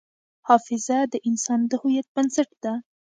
حافظه د انسان د هویت بنسټ ده.